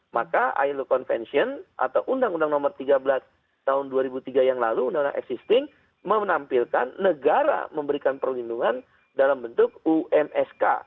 maka ilo convention atau undang undang nomor tiga belas tahun dua ribu tiga yang lalu undang undang existing menampilkan negara memberikan perlindungan dalam bentuk umsk